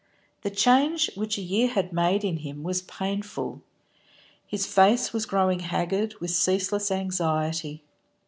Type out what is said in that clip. The change which a year had made in him was painful. His face was growing haggard with ceaseless anxiety.